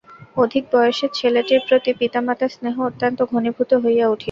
অধিক বয়সের ছেলেটির প্রতি পিতামাতার স্নেহ অত্যন্ত ঘনীভূত হইয়া উঠিল।